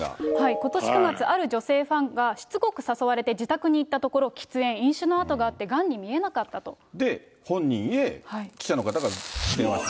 ことし９月、ある女性ファンがしつこく誘われて、自宅に行ったところ、喫煙、飲酒の跡があって、がんに見えなかっ本人へ、記者の方が聞きますと。